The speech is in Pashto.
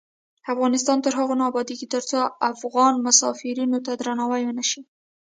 افغانستان تر هغو نه ابادیږي، ترڅو افغان مسافرینو ته درناوی ونشي.